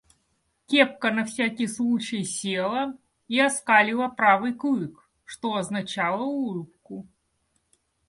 Кепка на всякий случай села и оскалила правый клык, что означало улыбку.